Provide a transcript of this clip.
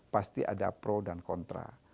pasti ada pro dan kontra